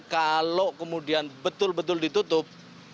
kalau kemudian betul betul ditutup